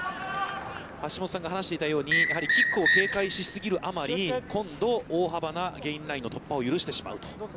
橋下さんが話していたように、キックを警戒し過ぎる余り、今度、大幅なゲインラインの突破を許してしまうと。